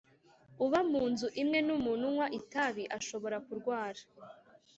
Uba mu nzu imwe n’umuntu unywa itabi ashobora kurwara